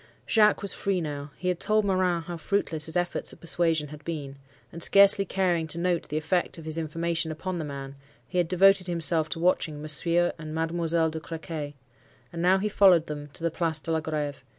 "Jacques was free now. He had told Morin how fruitless his efforts at persuasion had been; and scarcely caring to note the effect of his information upon the man, he had devoted himself to watching Monsieur and Mademoiselle de Crequy. And now he followed them to the Place de la Greve.